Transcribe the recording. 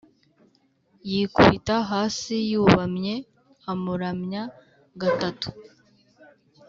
yikubita hasi yubamye amuramya gatatu